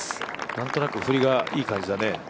なんとなく振りがいい感じだね。